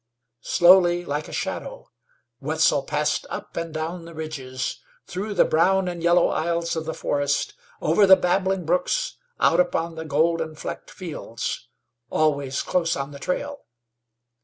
Slowly, like a shadow, Wetzel passed up and down the ridges, through the brown and yellow aisles of the forest, over the babbling brooks, out upon the golden flecked fields always close on the trail.